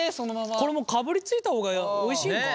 これかぶりついた方がおいしいのかな。